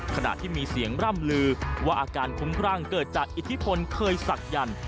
ขณะที่มีเสียงร่ำลือว่าอาการคุ้มครั่งเกิดจากอิทธิพลเคยศักดัน